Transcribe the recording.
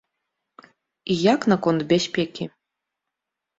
І як наконт бяспекі?